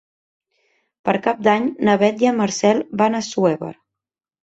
Per Cap d'Any na Beth i en Marcel van a Assuévar.